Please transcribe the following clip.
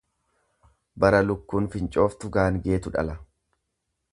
Bara lukkuun fincooftu gaangeetu dhala.